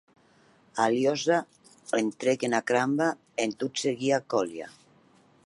Aliosha entrèc ena cramba en tot seguir a Kolia.